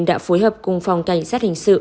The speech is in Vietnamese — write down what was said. đã phối hợp cùng phòng cảnh sát hình sự